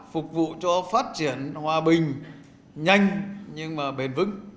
phục vụ cho phát triển hòa bình nhanh nhưng mà bền vững